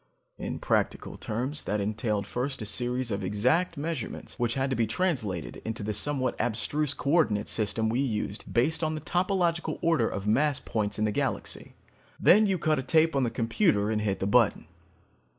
In practical terms, that entailed first a series of exact measurements which had to be translated into the somewhat abstruse co ordinate system we used based on the topological order of mass points in the galaxy. Then you cut a tape on the computer and hit the button.